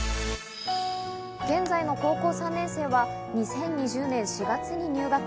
現在の高校３年生は２０２０年４月に入学。